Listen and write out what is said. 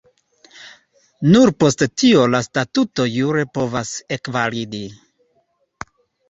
Nur post tio la statuto jure povos ekvalidi.